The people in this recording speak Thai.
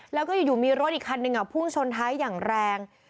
แล้วก็อยู่มีรถอีกคันหนึ่งพุ่งชนท้ายอย่างแรง